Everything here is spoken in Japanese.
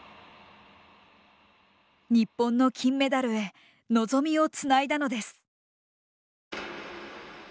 日本の金メダルへ望みをつないだのです。